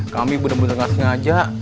kami bener bener ngasih ngajak